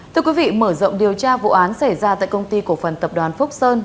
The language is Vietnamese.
thưa quý vị mở rộng điều tra vụ án xảy ra tại công ty cổ phần tập đoàn phúc sơn